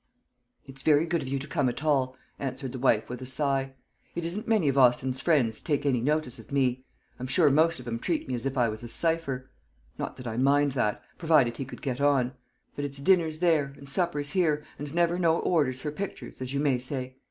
"It's very good of you to come at all," answered the wife with a sigh. "It isn't many of Austin's friends take any notice of me. I'm sure most of 'em treat me as if I was a cipher. Not that I mind that, provided he could get on; but it's dinners there, and suppers here, and never no orders for pictures, as you may say.